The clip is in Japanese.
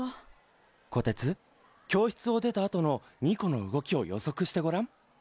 こてつ教室を出たあとのニコの動きを予測してごらん。